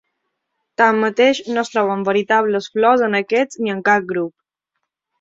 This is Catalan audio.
Tanmateix, no es troben veritables flors en aquests ni en cap grup.